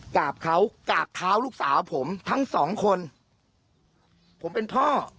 กราบเขากราบเท้าลูกสาวผมทั้งสองคนผมเป็นพ่อ